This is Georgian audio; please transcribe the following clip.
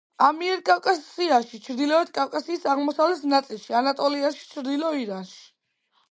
ამიერკავკასიაში, ჩრდილო კავკასიის აღმოსავლეთ ნაწილში, ანატოლიაში, ჩრდილო ირანში.